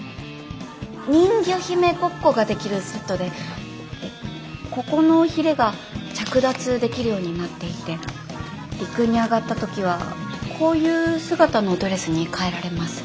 人魚姫ごっこができるセットでここのヒレが着脱できるようになっていて陸に上がった時はこういう姿のドレスに変えられます。